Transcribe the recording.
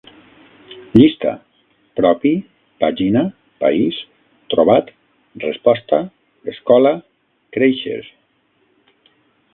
Llista: propi, pàgina, país, trobat, resposta, escola, créixer